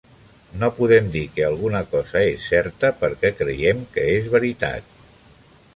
No podem dir que alguna cosa és certa, perquè creiem que és veritat.